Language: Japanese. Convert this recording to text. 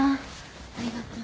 ありがとう。